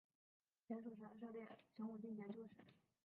前蜀时设立雄武军节度使。